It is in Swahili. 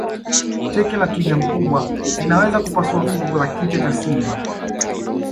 teke la twiga mkubwa linaweza kupasua fuvu la kichwa cha simba